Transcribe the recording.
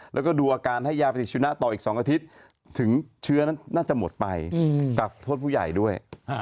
แล้วก็ดูอาการให้ยาปฏิชนะต่ออีก๒อาทิตย์ถึงเชื้อนั้นน่าจะหมดไปกับโทษผู้ใหญ่ด้วย